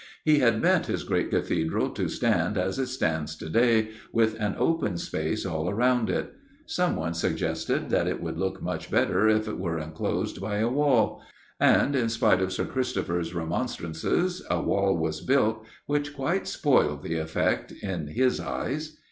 He had meant his great Cathedral to stand as it stands to day, with an open space all round it. Someone suggested that it would look much better if it were enclosed by a wall. And, in spite of Sir Christopher's remonstrances, a wall was built, which quite spoilt the effect in his eyes.